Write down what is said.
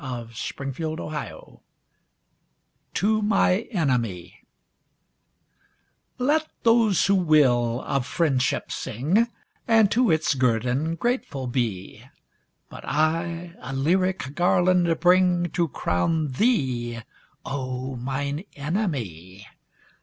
39 MISCELLANEOUS 91 TO MY ENEMY Let those who will of friendship sing, And to its guerdon grateful be, But I a lyric garland bring To crown thee, O, mine enemy!